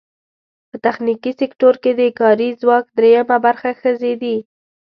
په تخنیکي سکټور کې د کاري ځواک درېیمه برخه ښځې دي.